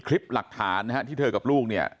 ช่วยด้วยค่ะพี่